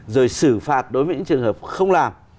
rồi xử phạt đối với những trường hợp không làm